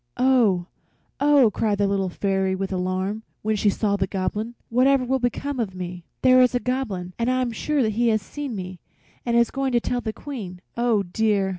"Oh, oh!" cried the Little Fairy, with alarm, when she saw the Goblin, "whatever will become of me? There is a Goblin, and I am sure he has seen me and is going to tell the Queen. Oh dear!